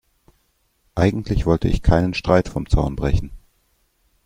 Eigentlich wollte ich keinen Streit vom Zaun brechen.